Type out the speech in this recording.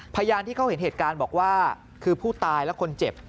พยานที่เขาเห็นเหตุการณ์บอกว่าคือผู้ตายและคนเจ็บ